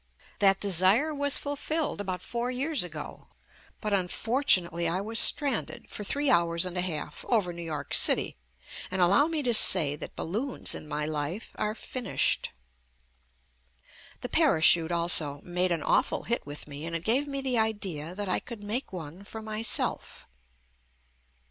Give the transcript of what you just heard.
That desire was fulfilled about four * years ago, but unfortunately I was stranded for three hours and a half over New York City, and allow me to say that balloons in my life are finished. The parachute, also, made an awful hit with me, and it gave me the idea that I could make one for myself.